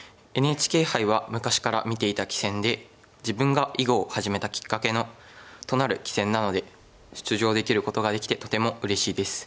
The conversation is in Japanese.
ＮＨＫ杯は昔から見ていた棋戦で自分が囲碁を始めたきっかけとなる棋戦なので出場できることができてとてもうれしいです。